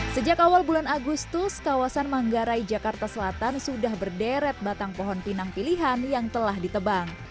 sejak awal bulan agustus kawasan manggarai jakarta selatan sudah berderet batang pohon pinang pilihan yang telah ditebang